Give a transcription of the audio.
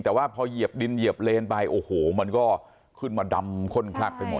แต่ว่าพอเหยียบดินเหยียบเลนไปโอ้โหมันก็ขึ้นมาดำข้นคลักไปหมด